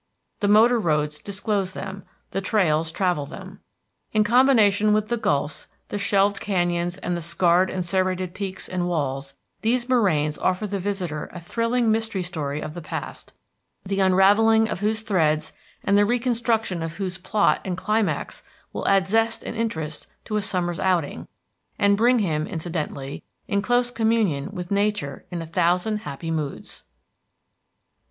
The motor roads disclose them, the trails travel them. In combination with the gulfs, the shelved canyons and the scarred and serrated peaks and walls, these moraines offer the visitor a thrilling mystery story of the past, the unravelling of whose threads and the reconstruction of whose plot and climax will add zest and interest to a summer's outing, and bring him, incidentally, in close communion with nature in a thousand happy moods.